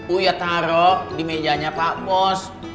uya taruh di mejanya pak bos